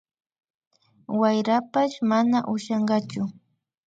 Wayrapash mana ushankachu